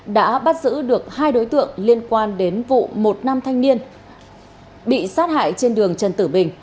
đã bắt giữ được hai đối tượng liên quan đến vụ một nam thanh niên bị sát hại trên đường trần tử bình